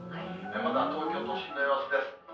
まずは東京都心の様子です。